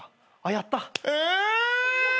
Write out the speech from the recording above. やった。え！